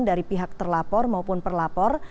dari pihak terlapor maupun perlapor